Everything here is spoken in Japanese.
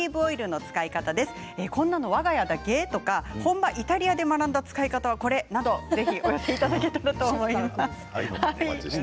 こんなのわが家だけ？とか本場イタリアで学んだ使い方はこれなどお寄せいただけたらと思います。